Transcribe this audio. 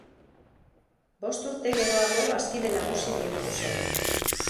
Bost urte geroago bazkide nagusi bihurtu zen.